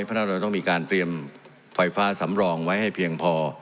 เพราะฉะนั้นเราต้องมีการเตรียมไฟฟ้าสำรองไว้ให้เพียงพอ